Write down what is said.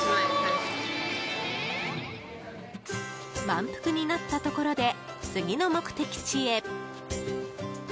満腹になったところで次の目的地へ。